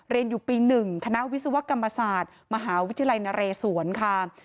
เรียนอยู่ปี๑คณะวิศวกรรมศาสตร์มหาวิทยาลัยนเรศวรค่ะ